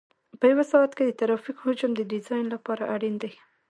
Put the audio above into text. په یو ساعت کې د ترافیک حجم د ډیزاین لپاره اړین دی